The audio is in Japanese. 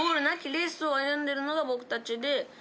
なきレースを歩んでるのが僕たちで。